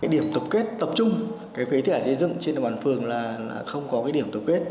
điểm tập kết tập trung phế thải xây dựng trên địa bàn phường là không có điểm tổng kết